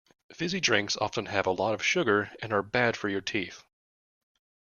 Fizzy drinks often have a lot of sugar and are bad for your teeth